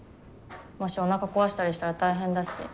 もしおなか壊したりしたら大変だし。